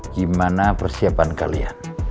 gimana persiapan kalian